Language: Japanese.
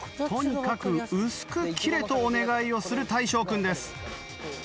とにかく薄く切れとお願いをする大昇君です。